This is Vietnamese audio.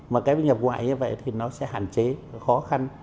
mà cái nhập ngoại như vậy thì nó sẽ hạn chế khó khăn